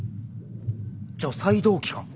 除細動器か！